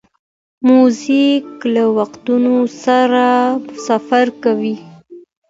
موزیک له وختونو سره سفر کوي.